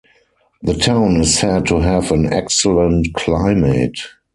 The town is said to have an excellent climate.